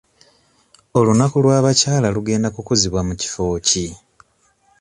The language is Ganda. Olunaku lw'abakyala lugenda kukuzibwa mu kifo ki?